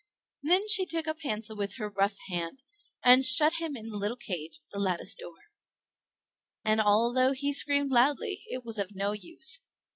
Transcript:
Then she took up Hansel with her rough hand, and shut him up in a little cage with a lattice door; and although he screamed loudly, it was of no use.